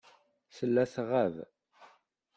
Tella tɣab.